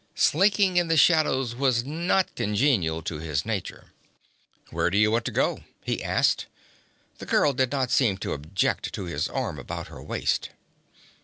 Slinking in the shadows was not congenial to his nature. 'Where do you want to go?' he asked. The girl did not seem to object to his arm about her waist.